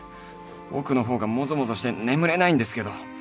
奥の方がモゾモゾして眠れないんですけど